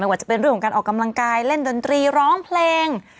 ว่าจะเป็นเรื่องของการออกกำลังกายเล่นดนตรีร้องเพลง